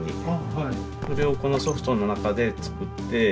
それをこのソフトの中で作って。